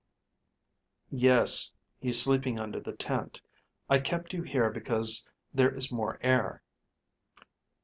"Yes. He's sleeping under the tent. I kept you here because there is more air."